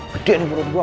gede nih perut gue